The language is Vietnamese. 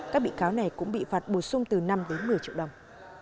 các bị cáo này cũng bị phạt bổ sung từ năm đến một mươi triệu đồng